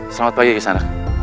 selamat pagi kisah anak